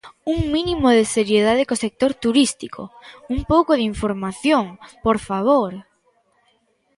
¡Un mínimo de seriedade co sector turístico, un pouco de información, por favor!